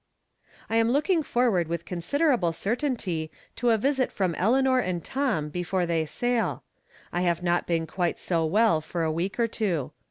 I am looking forward with considerable cer 45 46 From Different Standpoints. tainty to a visit from Eleanor and Tom before they sail. I have not been quite so well for a week or two.